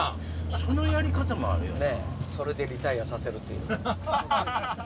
そのやり方もあるよな。